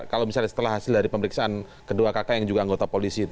kalau misalnya setelah hasil dari pemeriksaan kedua kakak yang juga anggota polisi itu